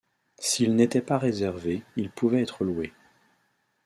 S'ils n'étaient pas réservés, ils pouvaient être loués.